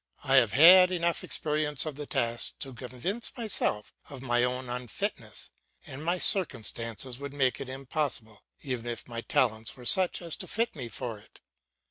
I have had enough experience of the task to convince myself of my own unfitness, and my circumstances would make it impossible, even if my talents were such as to fit me for it.